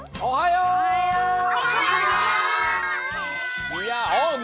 おはよう！